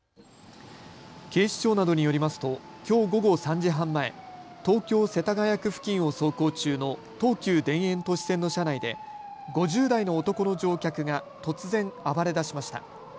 警視庁などによりますときょう午後３時半前、東京世田谷区付近を走行中の東急田園都市線の車内で５０代の男の乗客が突然、暴れだしました。